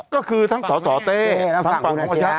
ก็คือทั้งสสเต้ทั้งฝั่งของประชา